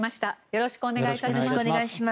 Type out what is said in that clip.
よろしくお願いします。